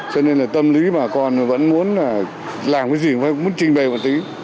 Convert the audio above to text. cho nên là tâm lý bà con vẫn muốn làm cái gì cũng muốn trình bày một tí